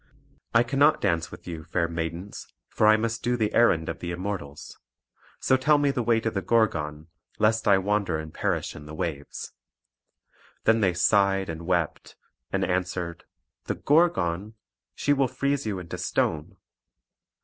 "I cannot dance with you, fair maidens; for I must do the errand of the Immortals. So tell me the way to the Gorgon, lest I wander and perish in the waves." Then they sighed and wept; and answered: "The Gorgon! she will freeze you into stone."